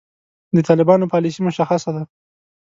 د طالبانو پالیسي مشخصه ده.